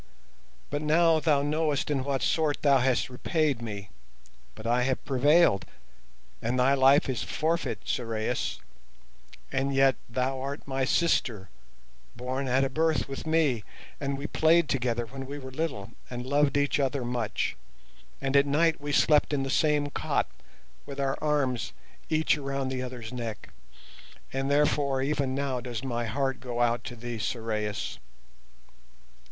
But now thou knowest in what sort thou hast repaid me, but I have prevailed, and thy life is forfeit, Sorais. And yet art thou my sister, born at a birth with me, and we played together when we were little and loved each other much, and at night we slept in the same cot with our arms each around the other's neck, and therefore even now does my heart go out to thee, Sorais.